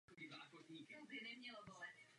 Poté se šíří po městě.